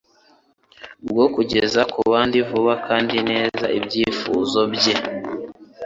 bwo kugeza ku bandi vuba kandi neza ibyifuzo bye,